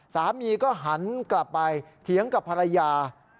สามีก็หันกลับไปเถียงกับภรรยา